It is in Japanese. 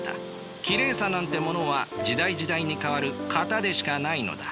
きれいさなんてものは時代時代に変わる型でしかないのだ。